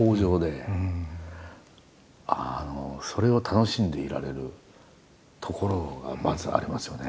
それを楽しんでいられるところがまずありますよね。